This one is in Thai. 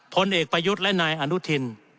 ผลเอกประยุทธ์และนายอนุทิน